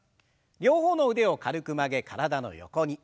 両方の腕を軽く曲げ体の横に。